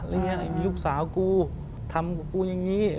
ลูกสาวกูทำกูกูยังงี้